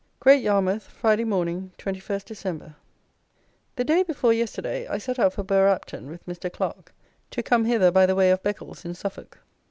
Great Yarmouth, Friday (morning), 21st Dec. The day before yesterday I set out for Bergh Apton with Mr. CLARKE, to come hither by the way of Beccles in Suffolk.